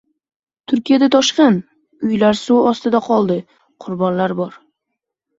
Turkiyada toshqin: uylar suv ostida qoldi, qurbonlar bor